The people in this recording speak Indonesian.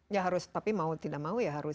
ya harus tapi mau tidak mau ya harus